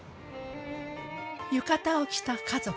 浴衣を着た家族。